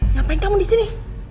ngapain kamu disini